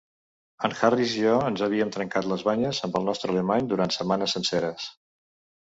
En Harris i jo ens havíem trencat les banyes amb el nostre alemany durant setmanes senceres.